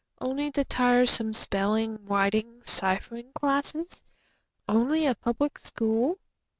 Only the tiresome spelling, writing, ciphering classes? Only a Public School?